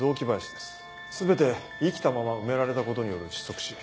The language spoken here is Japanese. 全て生きたまま埋められたことによる窒息死。